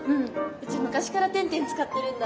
うち昔から天・天使ってるんだ。